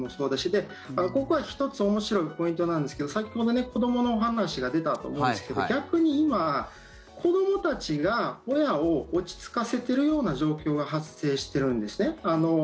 で、ここは１つ面白いポイントなんですけど先ほど子どものお話が出たと思うんですけど逆に今、子どもたちが親を落ち着かせているような状況が発生しているんですね。